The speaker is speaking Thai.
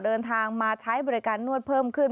เดินทางมาใช้บริการนวดเพิ่มขึ้น